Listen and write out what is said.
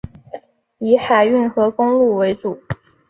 以海运和公路为主。